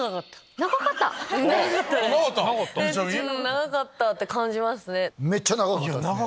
長かったって感じますね。